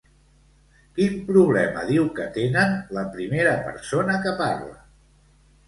Quin problema diu que tenen la primera persona que parla?